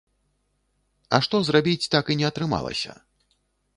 А што зрабіць так і не атрымалася?